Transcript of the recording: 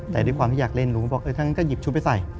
แต่ด้วยความที่อยากเล่นลุงก็บอกเออท่านก็หยิบชุดไปใส่